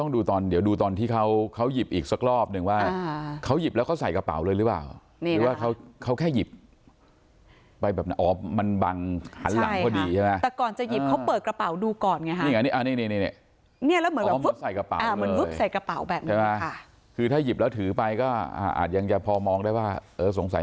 เดี๋ยวดูตอนที่เขายิบอีกสักรอบหนึ่งว่าเขาหยิบแล้วเขาใส่กระเป๋าเลยรึเปล่า